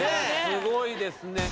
すごいですね。